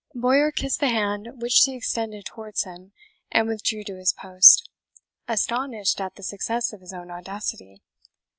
Bowyer kissed the hand which she extended towards him, and withdrew to his post, astonished at the success of his own audacity.